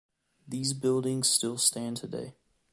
These buildings still stand today.